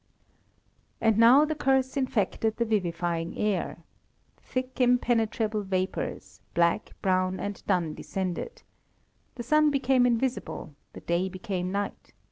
And now the curse infected the vivifying air. Thick, impenetrable vapours, black, brown, and dun, descended. The sun became invisible, the day became night.